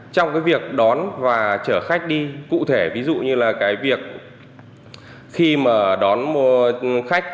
trong cái việc đón và chở khách đi cụ thể ví dụ như là cái việc khi mà đón khách